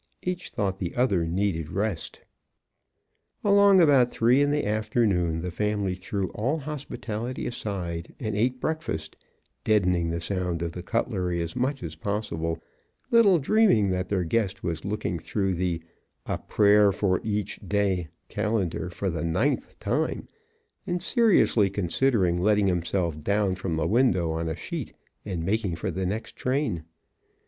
Each thought the other needed rest. Along about three in the afternoon the family threw all hospitality aside and ate breakfast, deadening the sound of the cutlery as much as possible, little dreaming that their guest was looking through the "A Prayer for Each Day" calendar for the ninth time and seriously considering letting himself down from the window on a sheet and making for the next train.